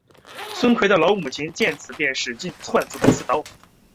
孙奎的老母亲见此便使劲攥住刺刀。